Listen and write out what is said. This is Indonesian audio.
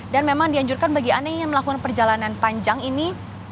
dan memang dianjurkan bagi anda yang ingin melakukan perjalanan panjang ini